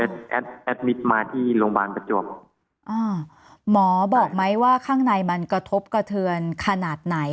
แอดแอดมิตรมาที่โรงพยาบาลประจวบอ่าหมอบอกไหมว่าข้างในมันกระทบกระเทือนขนาดไหน